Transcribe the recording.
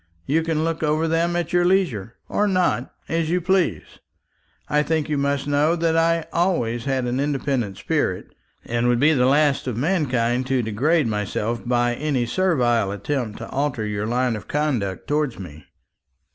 You can look over them at your leisure, or not, as you please. I think you must know that I always had an independent spirit, and would be the last of mankind to degrade myself by any servile attempt to alter your line of conduct towards me."